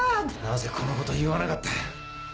なぜこのことを言わなかった？